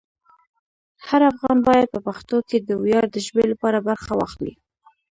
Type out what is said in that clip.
هر افغان باید په پښتو کې د ویاړ د ژبې لپاره برخه واخلي.